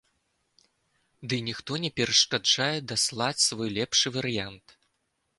Дый ніхто не перашкаджае даслаць свой, лепшы варыянт.